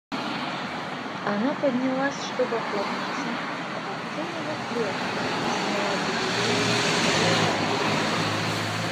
Она поднялась, чтоб опомниться, откинула плед и сняла пелерину теплого платья.